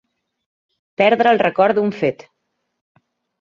Perdre el record d'un fet.